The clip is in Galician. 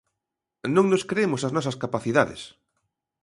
Non nos creemos as nosas capacidades.